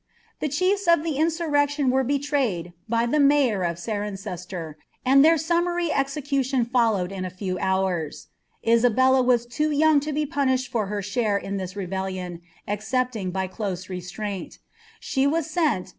The chiefs of the instimsra were betrayed by the mayor of Cirenr«ster, and their BumnuTy ewoliai followed in a few hours. Isabella was loo young lo be punisheil lorhe share in litis rebellion, excepting by close resirainL She was srat.